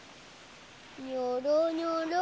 にょろにょろ。